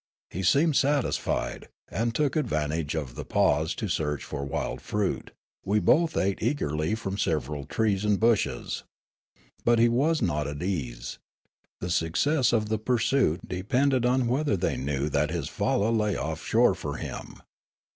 He seemed satisfied, and took advantage of the pause to search for wild fruit ; we both ate eagerly from several trees and bushes. But he was not at ease. The success of the pursuit depended on whether the} knew that his falla lay oflF shore for him.